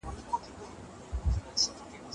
زه مخکي مېوې خوړلي وه.